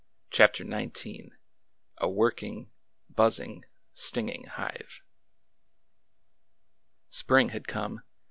CHAPTER XIX A WORKING, BUZZING, STINGING HIVE S PRING had come.